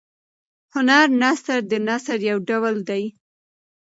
هنر نثر د نثر یو ډول دﺉ.